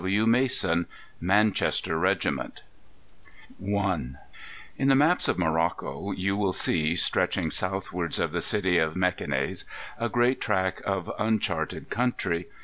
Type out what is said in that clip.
W. Mason Manchester Regiment In the maps of Morocco you will see, stretching southwards of the city of Mequinez, a great tract of uncharted country.